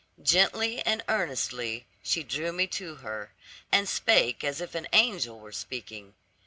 Gently and earnestly she drew me to her, and spake as if an angel were speaking.